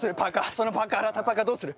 その洗ったパーカーどうする？